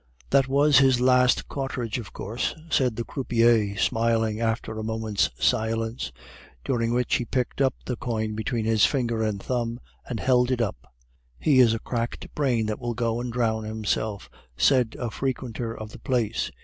"That was his last cartridge, of course," said the croupier, smiling after a moment's silence, during which he picked up the coin between his finger and thumb and held it up. "He is a cracked brain that will go and drown himself," said a frequenter of the place.